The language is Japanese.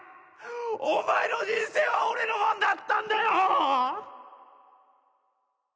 お前の人生は俺のもんだったんだよ！